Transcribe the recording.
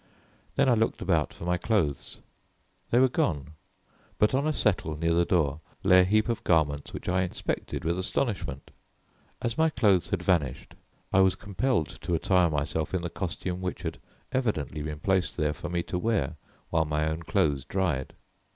Then I looked about for my clothes. They were gone, but on a settle near the door lay a heap of garments which I inspected with astonishment. As my clothes had vanished, I was compelled to attire myself in the costume which had evidently been placed there for me to wear while my own clothes dried.